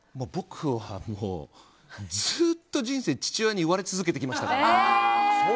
僕は、ずっと人生、父親に言われ続けてきましたから。